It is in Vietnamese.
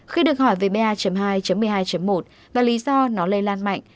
khi được hỏi về ba hai một mươi hai một và lý do nó lây lan mạnh